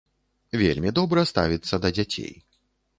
Вельмі добра ставіцца да дзяцей.